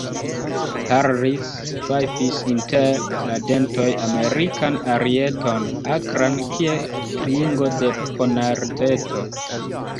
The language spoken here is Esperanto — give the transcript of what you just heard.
Harris fajfis inter la dentoj Amerikan arieton, akran kiel klingo de ponardeto.